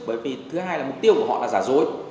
bởi vì thứ hai là mục tiêu của họ là giả dối